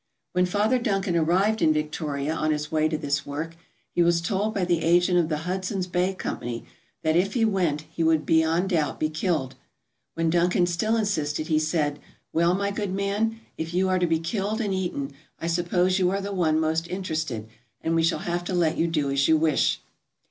When Father Duncan arrived in Victoria on his way to this work he was told by the agent of the Hudson's Bay Company that if he went he would beyond doubt be killed. When Duncan still insisted, he said: "Well, my good man, if you are to be killed and eaten I suppose you are the one most interested, and we shall have to let you do as you wish.